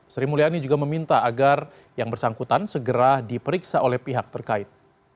sri mulyani juga meminta agar yang bersangkutan segera diperiksa oleh pihak terkait